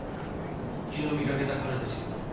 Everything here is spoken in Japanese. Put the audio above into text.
昨日見かけた彼ですよ